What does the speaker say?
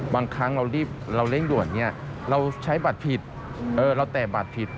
บางครั้งเรารีบเราเร่งด่วนเนี่ยเราใช้บัตรผิดเราแต่บัตรผิด